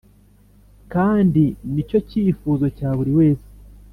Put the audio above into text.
kandi ni cyo cyifuzo cya buri wese.